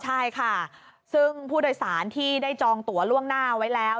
ใช่ค่ะซึ่งผู้โดยสารที่ได้จองตัวล่วงหน้าไว้แล้ว